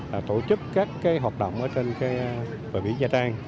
là tổ chức các hoạt động ở biển nha trang